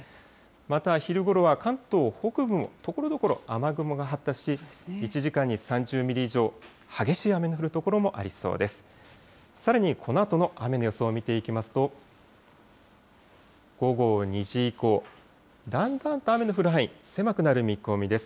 また、昼ごろは関東北部もところどころ雨雲が発達し、１時間に３０ミリ以上、激しい雨が降る所もありそうです。